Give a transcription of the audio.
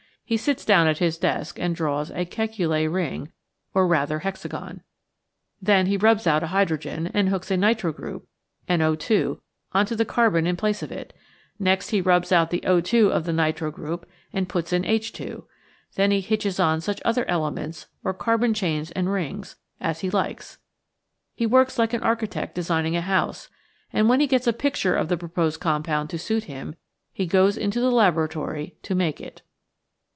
He sits down at his desk and draws a "Kekule ring" or rather hexagon. Then he rubs out an H and hooks a hitro group (NO2) on to the carbon in place of it; next he rubs out the O2 of the nitro group and puts in Ha; then he hitches on such other elements, or carbon chains and rings, as he likes. He works like an architect designing a house, and when he gets a picture of the proposed compound to suit him he goes into the laboratory to make it.